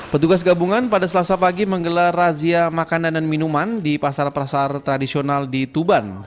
petugas gabungan pada selasa pagi menggelar razia makanan dan minuman di pasar pasar tradisional di tuban